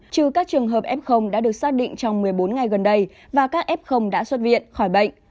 trừ các trường hợp f đã được xác định trong một mươi bốn ngày gần đây và các f đã xuất viện khỏi bệnh